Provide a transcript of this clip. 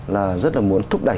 là rất là muốn thúc đẩy